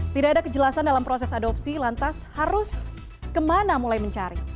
tidak ada kejelasan dalam proses adopsi lantas harus kemana mulai mencari